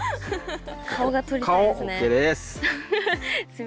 顔が撮りたいですね。